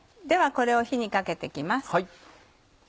ではこれを火にかけて行きます。